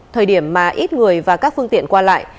thời điểm mà ít người và các phương tiện qua lại